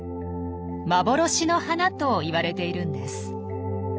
「幻の花」と言われているんです。